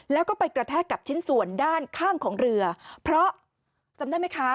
แล้วก็ไปกระแทกกับชิ้นส่วนด้านข้างของเรือเพราะจำได้ไหมคะ